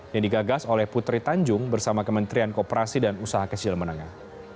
yang digagas oleh putri tanjung bersama kementerian kooperasi dan usaha kecil menengah